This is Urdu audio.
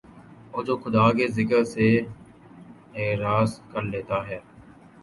اور جو خدا کے ذکر سے اعراض کر لیتا ہے